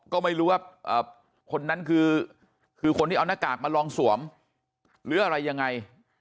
ก็ไม่รู้ว่าคนนั้นคือคนที่เอาหน้ากากมาลองสวมหรืออะไรยังไง